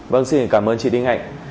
vâng xin cảm ơn chị đinh hạnh